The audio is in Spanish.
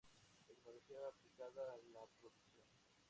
Tecnología aplicada a la Producción.